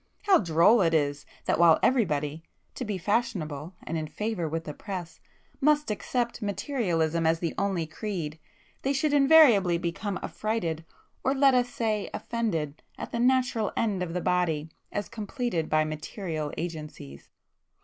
How droll it is, that while everybody (to be fashionable, and in favour with the press) must accept Materialism as the only creed, they should invariably become affrighted, or let us say offended, at the natural end of the body, as completed by material agencies!"